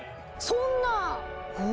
そんなぁ！